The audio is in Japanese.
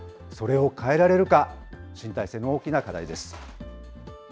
それを変えられるか、新体制の大きな課題です。